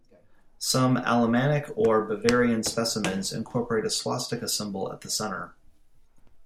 Some Alemannic or Bavarian specimens incorporate a swastika symbol at the center.